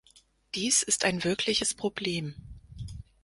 Dies ist ein wirkliches Problem.